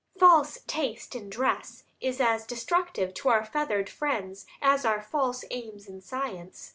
False taste in dress is as destructive to our feathered friends as are false aims in science.